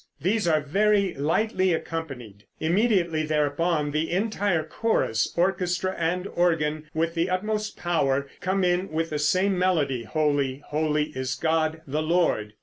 These are very lightly accompanied. Immediately thereupon, the entire chorus, orchestra and organ, with the utmost power, come in with the same melody, "Holy, Holy Is God, the Lord."